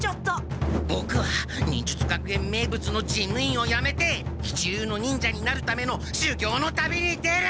ボクは忍術学園名物の事務員をやめて一流の忍者になるためのしゅぎょうの旅に出る！